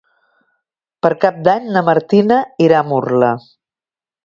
Per Cap d'Any na Martina irà a Murla.